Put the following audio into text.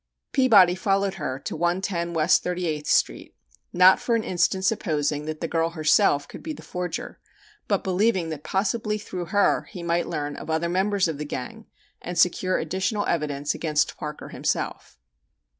Peabody followed her to 110 West Thirty eighth Street, not for an instant supposing that the girl herself could be the forger, but believing that possibly through her he might learn of other members of the gang and secure additional evidence against Parker himself.